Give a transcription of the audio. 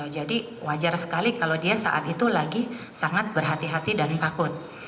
jadi wajar sekali kalau dia saat itu lagi sangat berhati hati dan takut